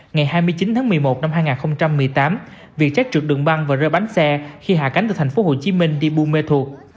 ngày hai mươi chín tháng một mươi một năm hai nghìn một mươi tám vietjet trượt đường băng và rơi bánh xe khi hạ cánh từ thành phố hồ chí minh đi bume thuộc